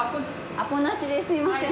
アポなしですみません。